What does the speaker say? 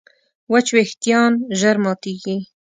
وچ وېښتيان ژر ماتېږي.